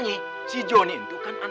ayo syaif hau ini vedra takplah